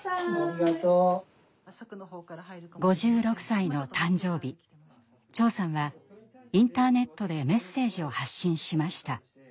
５６歳の誕生日長さんはインターネットでメッセージを発信しました。